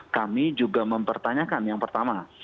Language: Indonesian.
kami juga mempertanyakan yang pertama